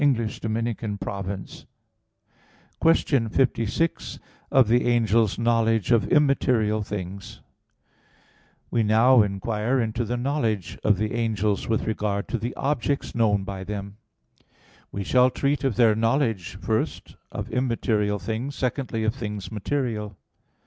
_______________________ QUESTION 56 OF THE ANGEL'S KNOWLEDGE OF IMMATERIAL THINGS (In Three Articles) We now inquire into the knowledge of the angels with regard to the objects known by them. We shall treat of their knowledge, first, of immaterial things, secondly of things material.